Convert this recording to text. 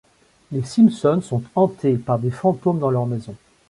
Les Simpson sont hantés par des fantômes dans leur maison.